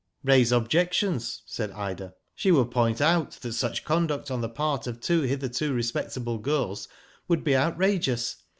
" Raise objections," said Ida. " She would point out that such conduct on the part of two hitherto respectable girls would be outrageous.